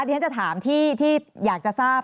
เดี๋ยวฉันจะถามที่อยากจะทราบ